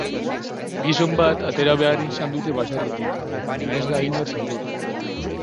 Gizon bat atera behar izan dute baserritik, baina ez da inor zauritu.